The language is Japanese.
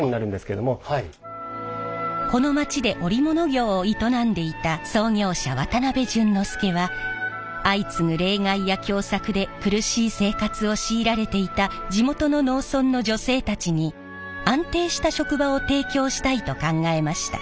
この町で織物業を営んでいた創業者渡辺順之助は相次ぐ冷害や凶作で苦しい生活を強いられていた地元の農村の女性たちに安定した職場を提供したいと考えました。